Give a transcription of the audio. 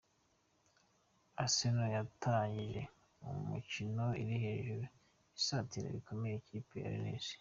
Arsenal yatangiye umukino iri hejuru, isatira bikomeye ikipe ya Rennes.